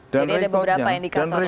jadi ada beberapa indikator lain